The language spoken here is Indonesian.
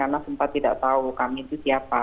karena sempat tidak tahu kami itu siapa